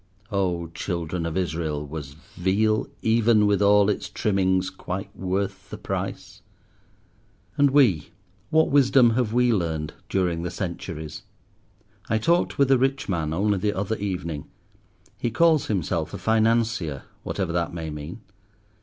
Oh! Children of Israel, was Veal, even with all its trimmings, quite worth the price? And we! what wisdom have we learned, during the centuries? I talked with a rich man only the other evening. He calls himself a Financier, whatever that may mean.